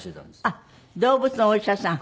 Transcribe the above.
あっ動物のお医者さん。